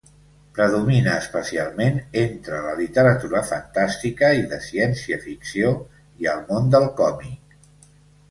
Predomina especialment entre la literatura fantàstica i de ciència-ficció i al món del còmic.